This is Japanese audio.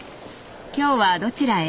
今日はどちらへ？